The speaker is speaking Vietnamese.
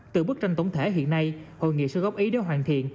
từ bức tranh tổng thể hiện nay hội nghị sẽ góp ý để hoàn thiện